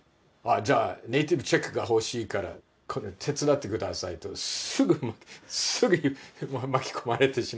じゃあネイティブチェックが欲しいからこれ手伝ってくださいとすぐすぐ巻き込まれてしまって。